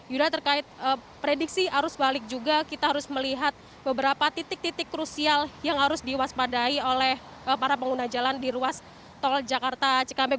yuda terkait prediksi arus balik juga kita harus melihat beberapa titik titik krusial yang harus diwaspadai oleh para pengguna jalan di ruas tol jakarta cikampek